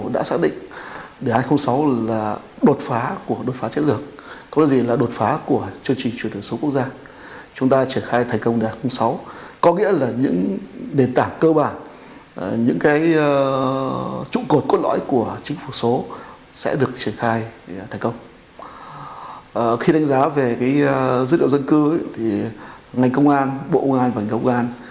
dữ liệu dân cư ngành công an bộ công an và ngành công an